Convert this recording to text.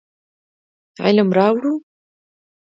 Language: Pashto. علم راوړو.